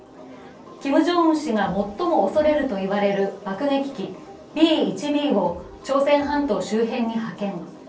キム・ジョンウン氏が最も恐れるといわれる爆撃機Ｂ１Ｂを朝鮮半島周辺に派遣。